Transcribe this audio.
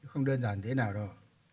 không đơn giản thế nào đâu